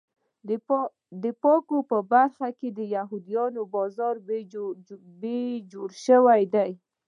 د پاکۍ په برخه کې د یهودیانو بازار بې جوړې دی.